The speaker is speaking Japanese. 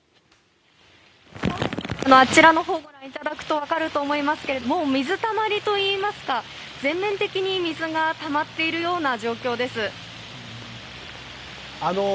あちらのほうをご覧いただくと分かると思いますが水たまりといいますか全面的に水がたまっているような状況です。